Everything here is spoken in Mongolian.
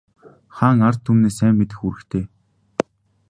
Хаан ард түмнээ сайн мэдэх үүрэгтэй.